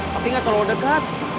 tapi gak terlalu deket